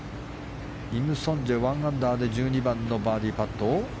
イム・ソンジェ、１アンダーで１２番のバーディーパット。